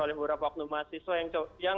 oleh beberapa oknum mahasiswa yang